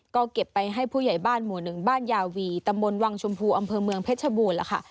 ก็เก็บไปให้ผู้ใหญ่บ้านหมู่หนึ่งบ้านยาวีตำบลวังชมพูอำเภอเมืองเพชรบูรณ์ล่ะค่ะ